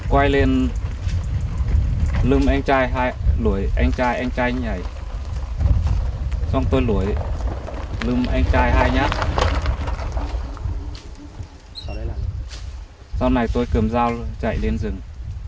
quay lên lưng anh trai hai nhát lùi anh trai anh trai nhảy xong tôi lùi lưng anh trai hai nhát sau này tôi cầm rau chạy lên rừng